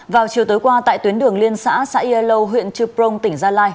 vào chiều tối qua tại tuyến đường liên xã sãi yê lâu huyện trư prong tỉnh gia lai